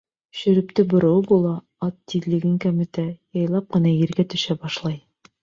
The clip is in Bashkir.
Шөрөптө бороуы була, ат тиҙлеген кәметә, яйлап ҡына ергә төшә башлай.